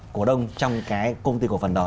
cổ đông trong cái công ty cổ phần đó